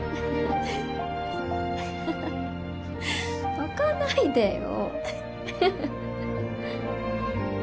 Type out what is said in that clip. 泣かないでよ。